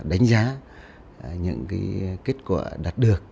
đánh giá những kết quả đạt được